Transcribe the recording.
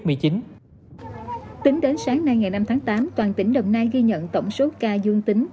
tính đến sáng nay ngày năm tháng tám toàn tỉnh đồng nai ghi nhận tổng số ca dương tính